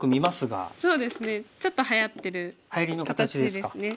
そうですねちょっとはやってる形ですね。